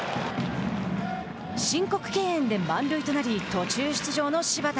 申告敬遠で満塁となり途中出場の柴田。